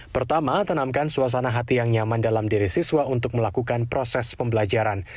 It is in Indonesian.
pertama tanamkan suasana hati yang nyaman dalam diri siswa untuk melakukan proses pembelajaran